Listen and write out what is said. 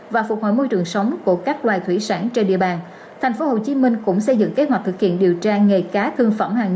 và phục hồi môi trường sống của các loài thủy sản trên địa bàn